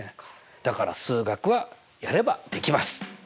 だから数学はやればできます！